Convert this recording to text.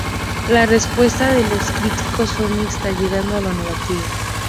La respuesta de los críticos fue mixta llegando a lo negativo.